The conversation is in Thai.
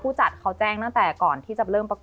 พูดจากเขาแจ้งก่อนแล้วว่า